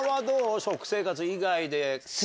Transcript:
食生活以外で。